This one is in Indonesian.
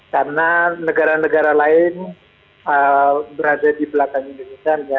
karena negara negara lain berada di belakang indonesia